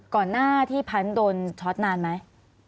ก่อนหน้าที่พันธุ์โดนช็อตนานไหม